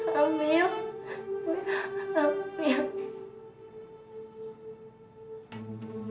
aku ingin bersih di rumah aku